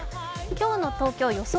今日の東京、予想